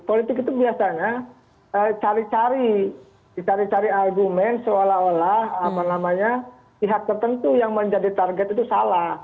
politik itu biasanya cari cari dicari cari argumen seolah olah apa namanya pihak tertentu yang menjadi target itu salah